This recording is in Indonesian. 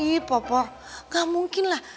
ih papa gak mungkin lah